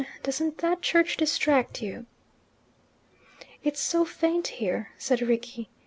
Doesn't that church distract you?" "It's so faint here," said Rickie.